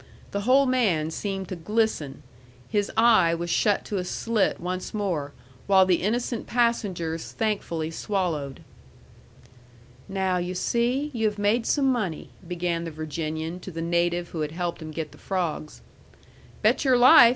The whole man seemed to glisten. His eye was shut to a slit once more, while the innocent passengers thankfully swallowed. "Now, you see, you have made some money," began the Virginian to the native who had helped him get the frogs. "Bet your life!"